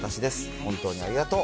本当にありがとう。